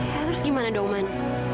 terus gimana dong man